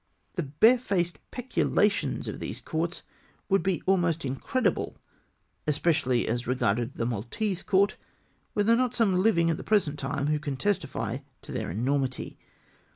The barefaced peculations of these courts would be almost incredible, especially as regarded the Maltese Court, were there not some hving at the present time who can testify to their enor mity.